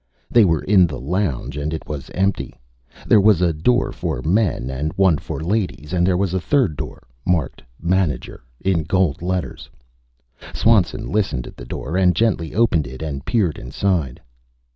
They were in the lounge and it was empty. There was a door for men and one for ladies; and there was a third door, marked "MANAGER" in gold letters. Swanson listened at the door, and gently opened it and peered inside.